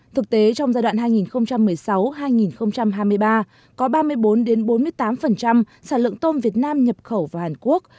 thực tế trong giai đoạn hai nghìn một mươi sáu hai nghìn hai mươi ba có ba mươi bốn bốn mươi tám sản lượng tôm việt nam nhập khẩu vào hàn quốc